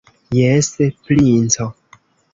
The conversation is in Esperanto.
Jes, princo!